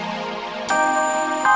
hati hati di jalan ya